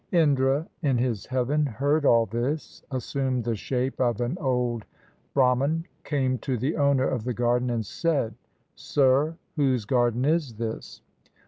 Indra in his heaven heard all this, assumed the shape of an old Brahman, came to the owner of the garden and said, "Sir, whose garden is this?"